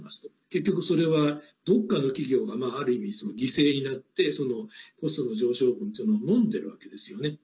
結局それは、どこかの企業がある意味、犠牲になってコストの上昇分というものをのんでいるわけですよね。